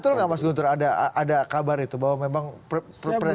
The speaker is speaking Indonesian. betul nggak mas guntur ada kabar itu bahwa memang presiden